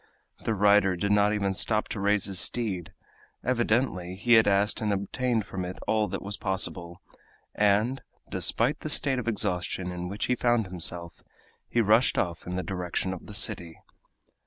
The rider did not even stop to raise his steed. Evidently he had asked and obtained from it all that was possible, and, despite the state of exhaustion in which he found himself, he rushed off in the direction of the city.